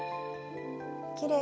きれい。